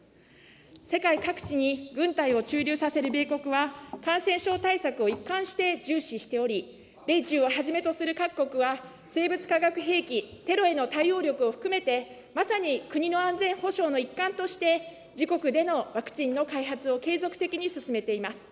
世界各地に軍隊を駐留させる米国は、感染症対策を一貫して重視しており、米中をはじめとする各国は、生物化学兵器、テロへの対応力を含めて、まさに国の安全保障の一環として、自国でのワクチンの開発を継続的に進めています。